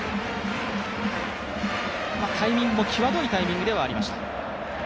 タイミングも際どいタイミングではありました。